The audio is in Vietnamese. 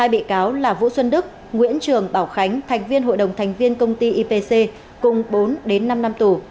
hai bị cáo là vũ xuân đức nguyễn trường bảo khánh thành viên hội đồng thành viên công ty ipc cùng bốn đến năm năm tù